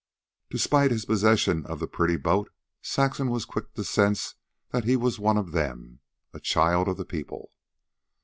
Despite his possession of the pretty boat, Saxon was quick to sense that he was one of them, a child of the people.